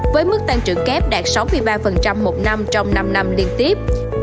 với mức tăng trưởng kép đạt sáu mươi ba một năm trong năm năm liên tiếp